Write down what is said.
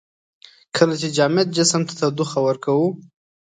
کله چې جامد جسم ته تودوخه ورکوو.